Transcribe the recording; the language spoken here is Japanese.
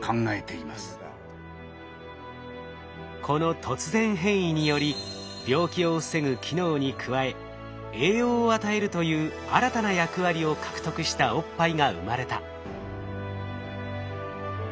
この突然変異により病気を防ぐ機能に加え栄養を与えるという新たな役割を獲得したおっぱいが生まれた。